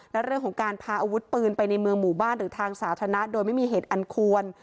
และเรื่องของการพาอาวุธปืนไปในเมืองหมู่บ้านหรือทางสาธารณะโดยไม่มีเหตุอันควร